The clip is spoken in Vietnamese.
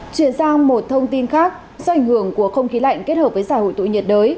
chuyển sang một thông tin khác do ảnh hưởng của không khí lạnh kết hợp với giải hội tụ nhiệt đới